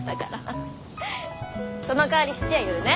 そのかわり質屋寄るね。